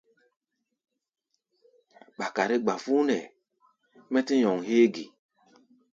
Ɓakare gbafón hɛ̧ɛ̧, mɛ́ tɛ́ nyɔŋ héé ge?